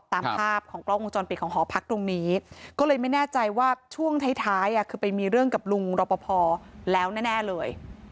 ตามภาพของกล้องวงจรปิดของหอพักตรงนี้ก็เลยไม่แน่ใจว่าช่วงท้ายคือไปมีเรื่องกับลุงรอปภแล้วแน่เลย